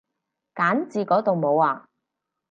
揀字嗰度冇啊